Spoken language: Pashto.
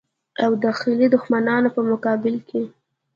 او داخلي دښمنانو په مقابل کې.